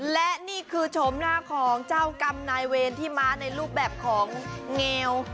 และนี่คือชมหน้าของเจ้ากรรมนายเวรที่มาในรูปแบบของเงา